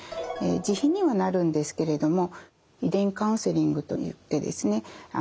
自費にはなるんですけれども遺伝カウンセリングといってですね